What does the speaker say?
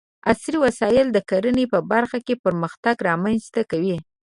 عصري وسايل د کرنې په برخه کې پرمختګ رامنځته کوي.